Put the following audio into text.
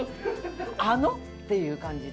あの？っていう感じで。